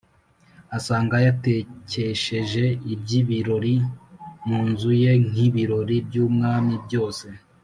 asanga yatekesheje iby’ibirori mu nzu ye nk’ibirori by’umwami byose